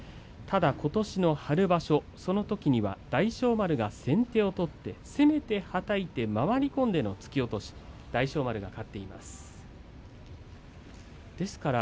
ことしの春場所は大翔丸が先手を取って攻めて、はたいて、回り込んでという突き落としで大翔丸が勝っています。